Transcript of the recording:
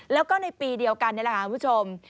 แล้วก็ในปีเดียวกันนี่แหละค่ะคุณผู้ชม